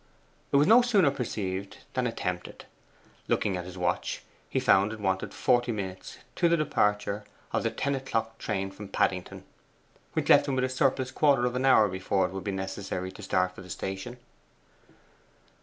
It was no sooner perceived than attempted. Looking at his watch, he found it wanted forty minutes to the departure of the ten o'clock train from Paddington, which left him a surplus quarter of an hour before it would be necessary to start for the station.